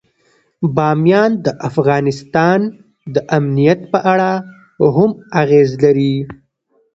بامیان د افغانستان د امنیت په اړه هم اغېز لري.